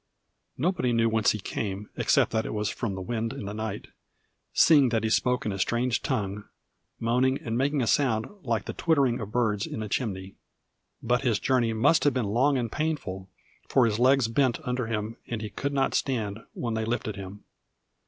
Nobody knew whence he came except that it was from the wind and the night seeing that he spoke in a strange tongue, moaning and making a sound like the twittering of birds in a chimney. But his journey must have been long and painful; for his legs bent under him, and he could not stand when they lifted him.